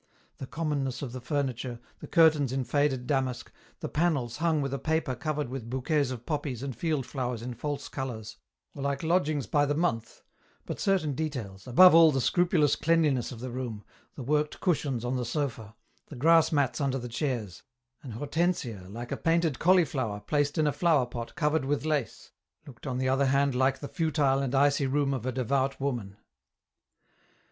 The commonness of the furniture, the curtains in faded damask, the panels hung with a paper covered with bouquets of poppies and field flowers in false colours, were like lodgings by the month, but certain details, above all the scrupulous cleanliness of the room, the worked cushions on the sofa, the grass mats under the chairs, an hortensia like a painted cauliflower placed in a flower pot covered with lace, looked on the other hand like the futile and icy room of a devout woman.